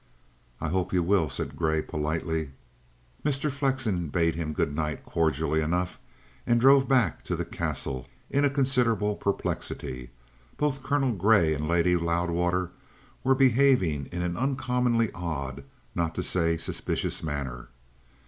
"I hope you will," said Grey politely. Mr. Flexen bade him good night cordially enough, and drove back to the Castle in a considerable perplexity. Both Colonel Grey and Lady Loudwater were behaving in an uncommonly odd, not to say suspicious manner.